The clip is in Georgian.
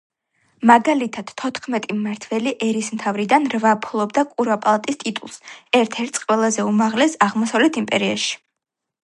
მაგალითად, თოთხმეტი მმართველი ერისმთავრიდან რვა ფლობდა კურაპალატის ტიტულს, ერთ-ერთს ყველაზე უმაღლესს აღმოსავლეთ იმპერიაში.